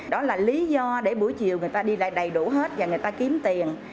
đó là lý do để buổi chiều người ta đi lại đầy đủ hết và người ta kiếm tiền